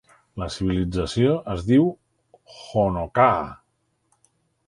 La civilització es diu Honoka'a.